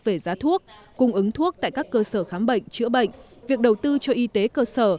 về giá thuốc cung ứng thuốc tại các cơ sở khám bệnh chữa bệnh việc đầu tư cho y tế cơ sở